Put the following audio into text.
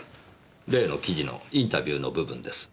例の記事のインタビューの部分です。